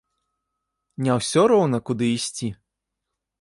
Не ўсё роўна куды ісці?